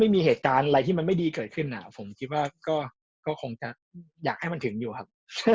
ไม่มีเหตุการณ์อะไรที่มันไม่ดีเกิดขึ้นผมคิดว่าก็คงจะอยากให้มันถึงอยู่ครับ